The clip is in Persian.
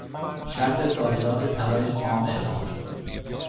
شرط صادرات طلای خام اعلام شد.